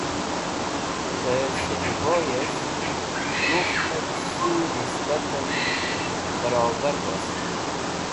Dẽ Shni boyẽs̃h rukhnẽt s̃hũw nisbatẽn bẽrobar wost.